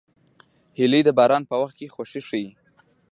هیلۍ د باران په وخت خوښي ښيي